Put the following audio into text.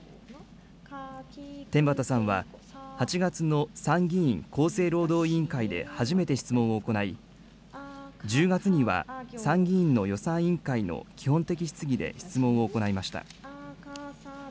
天畠さんは、８月の参議院厚生労働委員会で初めて質問を行い、１０月には、参議院の予算委員会の基本的質疑で質問を行いました。